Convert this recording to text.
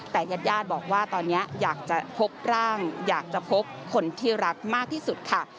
แต่ญาติญาติบอกว่าตอนนี้อยากจะพบร่างอยากจะพบคนที่รักมากที่สุดค่ะ